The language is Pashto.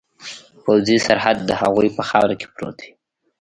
پوځي سرحد د هغوی په خاوره کې پروت وي.